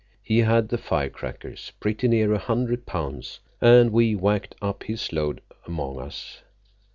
He had the firecrackers, pretty near a hundred pounds, and we whacked up his load among us.